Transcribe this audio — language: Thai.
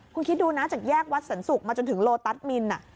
คุณคิดดูนะจากแยกวัดสรรศุกร์มาจนถึงโลตัสมิน